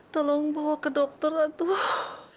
tolong bawa ke dokter aduh